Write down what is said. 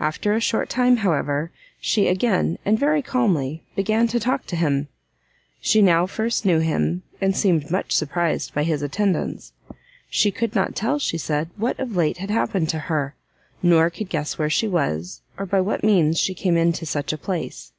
After a short time, however, she again, and very calmly, began to talk to him. She now first knew him, and seemed much surprised by his attendance. She could not tell, she said, what of late had happened to her, nor could guess where she was, or by what means she came into such a place.